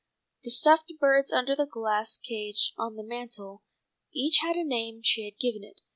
The stuffed birds under the glass case on the mantel each had a name she had given it.